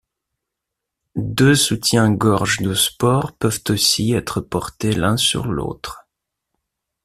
Deux soutiens-gorge de sport peuvent aussi être portés l'un sur l'autre.